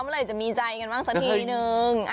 เมื่อไหร่จะมีใจกันบ้างสักทีนึง